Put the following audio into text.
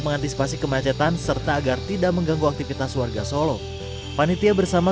mengantisipasi kemacetan serta agar tidak mengganggu aktivitas warga solo panitia bersama